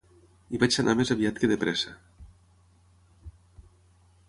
Hi vaig anar més aviat que depressa